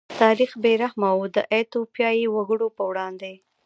تاریخ بې رحمه و د ایتوپیايي وګړو په وړاندې.